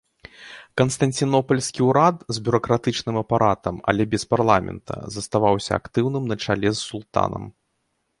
Канстанцінопальскі ўрад, з бюракратычным апаратам, але без парламента, заставаўся актыўным на чале з султанам.